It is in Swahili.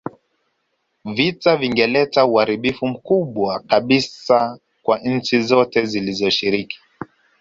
Vita vingeleta uharibifu mkubwa kabisa kwa nchi zote zilizoshiriki